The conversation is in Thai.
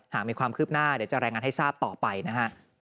หากมีความคืบหน้าเดี๋ยวจะรายงานให้ทราบต่อไปนะฮะ